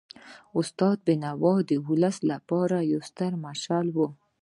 استاد بینوا د ولس لپاره یو ستر مشعل و.